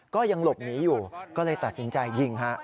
ก็ยังหลบหนีอยู่ก็เลยตัดสินใจยิงฮะ